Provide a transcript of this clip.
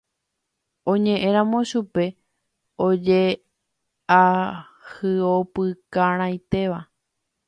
Oñeʼẽramo chupe ojeahyʼopykarãinteva.